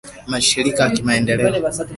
mashirika ya kimaendeleo